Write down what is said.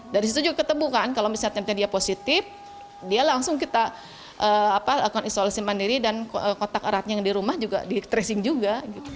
dari situ juga ketemu kan kalau misalnya dia positif dia langsung kita lakukan isolasi mandiri dan kontak eratnya yang di rumah juga di tracing juga